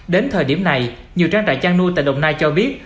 đến thời điểm này nhiều trang trại chăn nuôi tại đồng nai cho biết